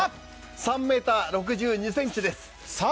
３ｍ６２ｃｍです。